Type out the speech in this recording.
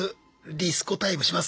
リス子タイムします？